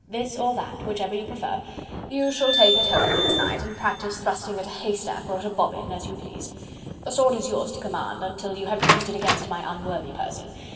this or that, whichever you prefer.... You shall take it home with you to night and practise thrusting at a haystack or at a bobbin, as you please... The sword is yours to command until you have used it against my unworthy person...